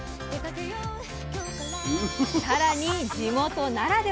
さらに地元ならでは。